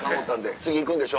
次行くんでしょ？